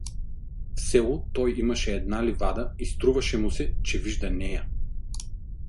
В село той имаше една ливада и струваше му се, че вижда нея.